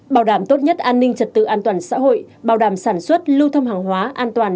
bảo đảm tốt nhất an ninh trật tự an toàn xã hội bảo đảm sản xuất lưu thông hàng hóa an toàn